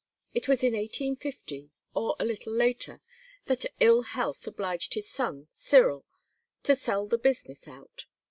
It was in 1850 or a little later that ill health obliged his son Cyrill to sell the business out.